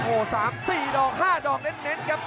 โอ้สามสี่ดอกห้าดอกเน้นครับ